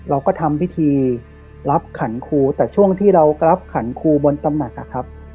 เราก็ทำพิธีรับขันครูแต่ช่วงที่เรารับขันครูบนตำหนักอะครับ